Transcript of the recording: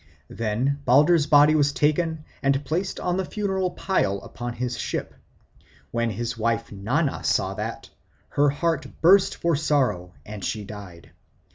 Then Balder's body was taken and placed on the funeral pile upon his ship. When his wife Nanna saw that, her heart burst for sorrow and she died.